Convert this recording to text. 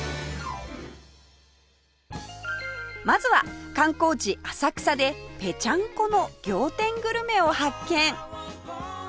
まずは観光地浅草でペチャンコの仰天グルメを発見！